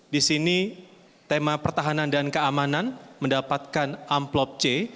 di sini tema pertahanan dan keamanan mendapatkan amplop c